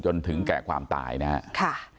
จนถึงแก่ความตายนะครับ